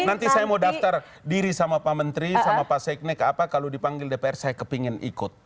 nanti saya mau daftar diri sama pak menteri sama pak seknek apa kalau dipanggil dpr saya kepingin ikut